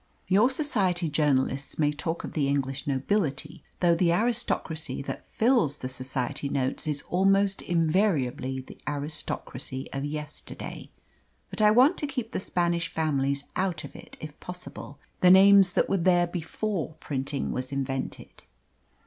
"Your Society journalists may talk of the English nobility, though the aristocracy that fills the 'Society Notes' is almost invariably the aristocracy of yesterday. But I want to keep the Spanish families out of it if possible the names that were there before printing was invented."